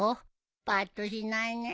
ぱっとしないね。